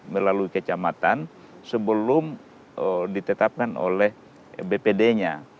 melalui kecamatan sebelum ditetapkan oleh bpd nya